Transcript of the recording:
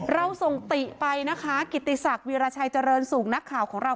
เราส่งติไปนะคะกิติศักดิราชัยเจริญสุขนักข่าวของเรา